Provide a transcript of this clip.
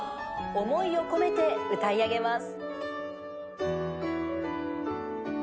思いを込めて歌い上げます。